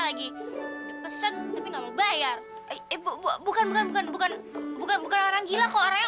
lagi pesen tapi gak mau bayar bukan bukan bukan bukan bukan orang gila kok orang yang